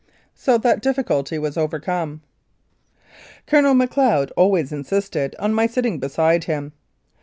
So that difficulty was overcome. Colonel Macleod always insisted on my sitting beside him.